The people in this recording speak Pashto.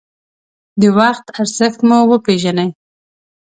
د وخت ارزښت مو وپېژنئ.